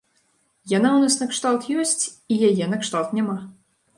Яна ў нас накшталт ёсць, і яе накшталт няма.